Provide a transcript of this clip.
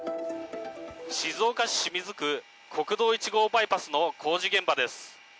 静岡市清水区国道１号バイパスの工事現場です。